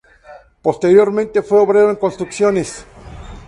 Posteriormente fue obrero en construcciones.